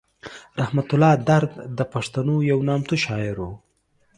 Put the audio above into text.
رحمت الله درد د پښتنو یو نامتو شاعر و.